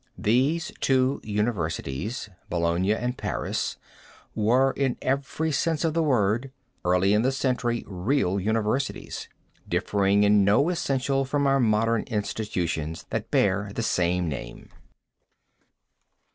These two universities, Bologna and Paris, were, in every sense of the word, early in the century, real universities, differing in no essential from our modern institutions that bear the same name.